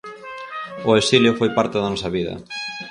O exilio foi parte da nosa vida.